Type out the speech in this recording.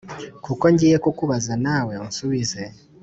kuko ngiye kukubaza nawe unsubize